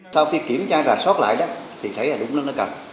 sau khi kiểm tra ra xót lại đó thì thấy là đúng là nó cần